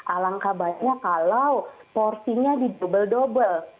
alangkah banyak kalau porsinya di dubbel dubel